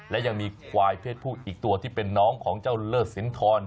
และยังมีควายเพศผู้อีกตัวที่เป็นน้องของเจ้าเลิศสินทร